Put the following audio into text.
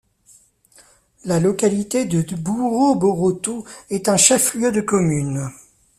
La localité de Booro-Borotou est un chef-lieu de commune.